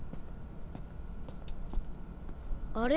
あれ？